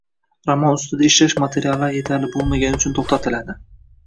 Roman ustida ishlash materiallar etarli bo`lmagani uchun to`xtatiladi